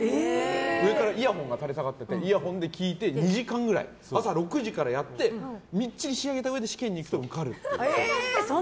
上からイヤホンが垂れ下がっててイヤホンで聞いて、２時間くらい朝６時からやってみっちり仕上げたうえで試験に行くと受かるっていう。